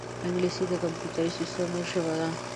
انګلیسي د کمپیوټري سیستمونو ژبه ده